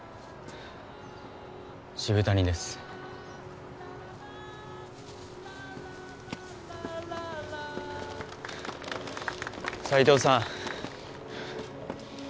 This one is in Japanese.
渋谷です斎藤さん